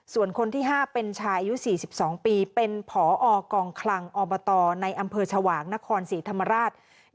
ส่วนคนที่๕เป็นชายอายุ๔๒ปีเป็นผอกองคลังอบตในอำเภอชวางนครศรีธรรมราช